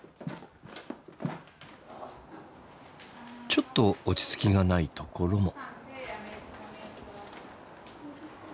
ちょっと落ち着きがないところも。